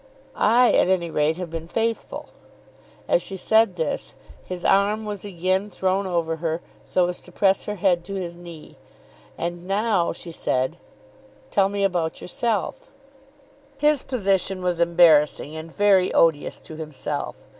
I at any rate have been faithful." As she said this his arm was again thrown over her, so as to press her head to his knee. "And now," she said, "tell me about yourself?" His position was embarrassing and very odious to himself.